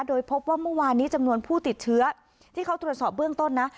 โดยพบว่าเมื่อวานนี้จำนวนผู้ติดเชื้อที่เขาตรวจสอบเบื้องต้นนะ